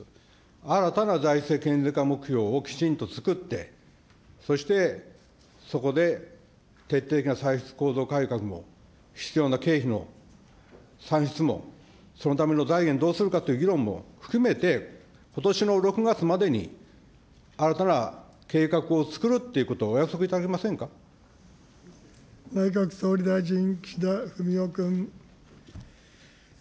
新たな財政健全化目標をきちんと作って、そして、そこで徹底的な歳出構造改革も、必要な経費も、歳出も、そのための財源どうするかという議論も含めて、ことしの６月までに新たな計画をつくるっていうことをお約束いた内閣総理大臣、岸田文雄君。